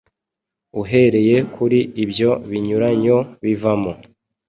Uhereye kuri ibyo binyuranyo bivamo